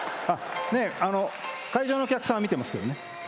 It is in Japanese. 会場のお客さんは見てますけどね。